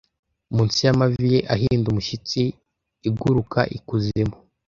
munsi y'amavi ye ahinda umushyitsi iguruka ikuzimu